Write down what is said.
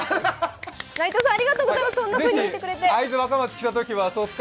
内藤さん、ありがとうございます。